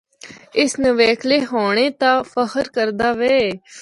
اس نویکلے ہونڑے تے فخر کردا وے۔